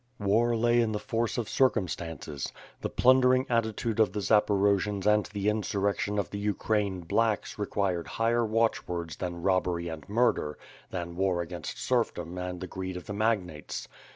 War lay in the force of circumstances. The plundering at titude of the Zaporojians and the insurrection of the Ukraine '^blacks" required higher watchwords than robbery and mur der, than war against serfdom and the ^eed of the magnates.